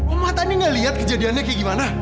oma tadi gak lihat kejadiannya kayak gimana